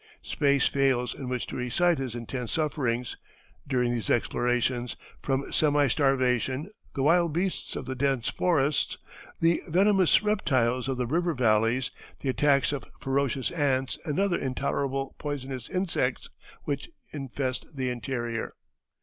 Space fails in which to recite his intense sufferings, during these explorations, from semi starvation, the wild beasts of the dense forests, the venomous reptiles of the river valleys, the attacks of ferocious ants, and other intolerable poisonous insects which infest the interior.